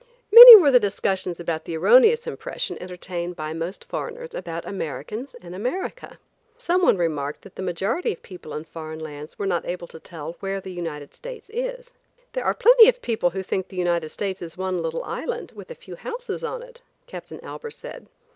Many were the discussions about the erroneous impression entertained by most foreigners about Americans and America. Some one remarked that the majority of people in foreign lands were not able to tell where the United States is. "There are plenty of people who think the United States is one little island, with a few houses on it," Captain Albers said.